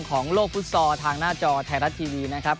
ของโลกฟุตซอลทางหน้าจอไทยรัฐทีวีนะครับ